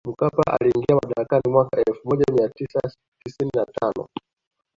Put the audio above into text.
Mkapa aliingia madarakani mwaka elfu moja mia tisa tisini na tano